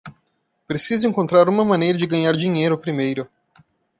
Preciso encontrar uma maneira de ganhar dinheiro primeiro.